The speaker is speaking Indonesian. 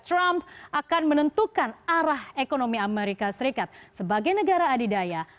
trump akan menentukan arah ekonomi amerika serikat sebagai negara adidaya